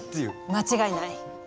間違いない。